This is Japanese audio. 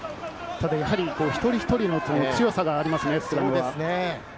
一人一人の強さがありますね、スクラム。